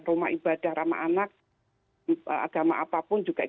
rumah ibadah ramah anak agama apapun juga ikut